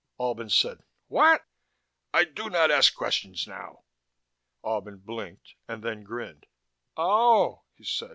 Albin said: "What?" "I do not ask questions now." Albin blinked, and then grinned. "Oh," he said.